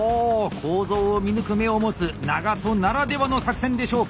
構造を見抜く目を持つ長渡ならではの作戦でしょうか！